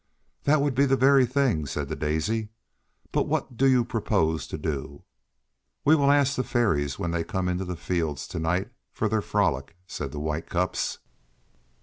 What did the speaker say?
"That would be the very thing," said the Daisy, "but what do you propose to do?" "We will ask the Fairies when they come into the fields to night for their frolic," said the White Cups.